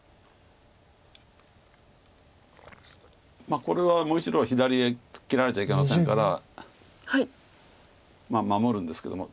これはもう１路左へ切られちゃいけませんから守るんですけども。